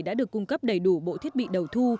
đã được cung cấp đầy đủ bộ thiết bị đầu thu